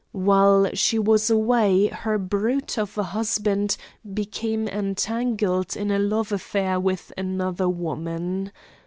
While she was away her brute of a husband became entangled in a love affair with another woman.